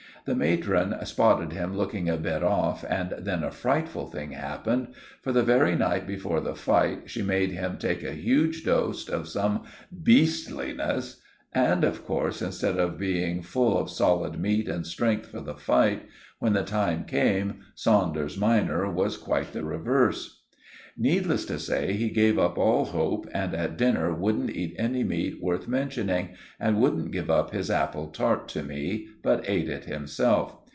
The matron spotted him looking a bit off, and then a frightful thing happened, for the very night before the fight she made him take a huge dose of some beastliness, and of course, instead of being full of solid meat and strength for the fight, when the time came Saunders minor was quite the reverse. Needless to say, he gave up all hope, and at dinner wouldn't eat any meat worth mentioning, and wouldn't give up his apple tart to me, but ate it himself.